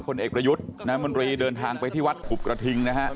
เอกประยุทธ์นามนตรีเดินทางไปที่วัดขุบกระทิงนะฮะ